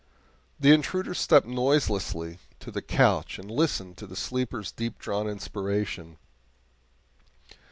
The intruder stepped noiselessly to the couch and listened to the sleeper's deep drawn inspiration.